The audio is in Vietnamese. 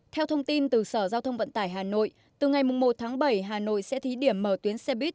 theo thông tin từ sở giao thông vận tải hà nội từ ngày một tháng bảy hà nội sẽ thí điểm mở tuyến xe buýt